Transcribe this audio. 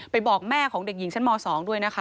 บอกแม่ของเด็กหญิงชั้นม๒ด้วยนะคะ